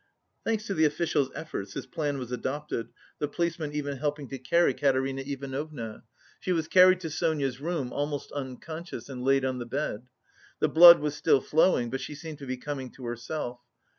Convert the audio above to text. Thanks to the official's efforts, this plan was adopted, the policeman even helping to carry Katerina Ivanovna. She was carried to Sonia's room, almost unconscious, and laid on the bed. The blood was still flowing, but she seemed to be coming to herself.